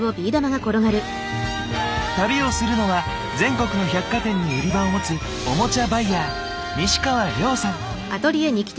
旅をするのは全国の百貨店に売り場を持つオモチャバイヤーかわいい。